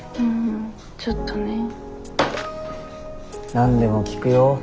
何でも聞くよ。